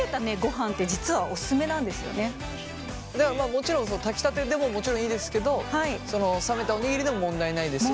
もちろんその炊きたてでももちろんいいですけど冷めたおにぎりでも問題ないですし